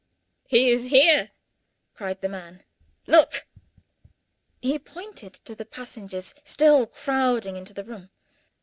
"He is here!" cried the man. "Look!" He pointed to the passengers still crowding into the room.